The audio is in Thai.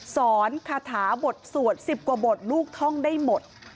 คาถาบทสวด๑๐กว่าบทลูกท่องได้หมด